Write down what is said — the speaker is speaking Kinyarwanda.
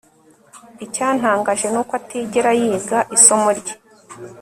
Icyantangaje nuko atigera yiga isomo rye